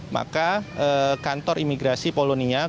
maka kantor imigrasi